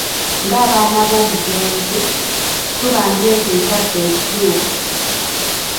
Nga abaana b'omugenzi, tubanja ekyo ekyaffe ekituufu.